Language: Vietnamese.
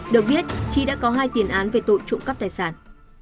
được biết chi đã có hai tiền án về tội trộm cắp tài sản